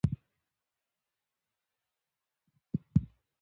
افتخارات یوازې د واک لرونکو په ګټه نه تمامیږي.